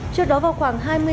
trước đó vào khoảng hai mươi giờ